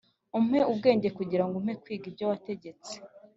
Umpe ubwenge kugirango umpe kwiga ibyo wategetse